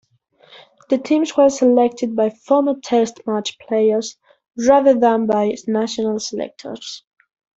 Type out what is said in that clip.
The teams were selected by former Test match players rather than by national selectors.